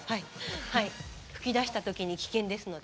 噴き出した時に危険ですので。